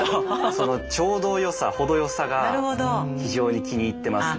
そのちょうどよさほどよさが非常に気に入ってますね。